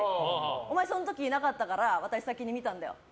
お前、その時いなかったから先に見たんだよ